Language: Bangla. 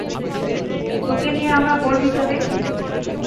তোকে নিয়ে আমরা গর্বিত রে!